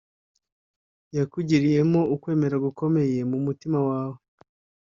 yakugiriyemo ukwemera gukomeye mumutima wawe